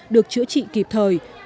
được chữa trị kịp thời